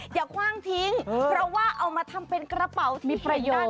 อย่าคว่างทิ้งเพราะว่าเอามาทำเป็นกระเป๋าที่มีประโยชน์